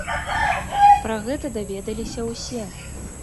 Пра гэта даведаліся ўсе.